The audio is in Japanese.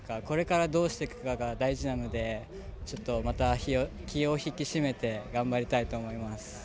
これからどうしていくかが大事なのでまた、気を引き締めて頑張りたいと思います。